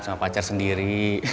sama pacar sendiri